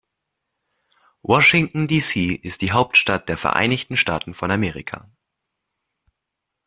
Washington, D.C. ist die Hauptstadt der Vereinigten Staaten von Amerika.